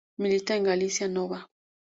Milita en Galiza Nova.